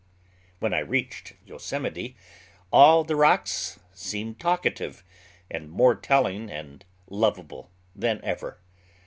When I reached Yosemite, all the rocks seemed talkative, and more telling and lovable than ever.